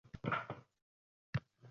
Ayniqsa, tomoq og‘rig‘i yomon qiynaydi.